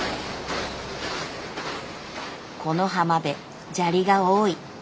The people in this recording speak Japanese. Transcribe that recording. この浜辺砂利が多い。